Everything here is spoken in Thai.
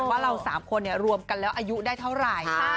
ว่าเราสามคนเนี่ยรวมกันแล้วอายุได้เท่าไร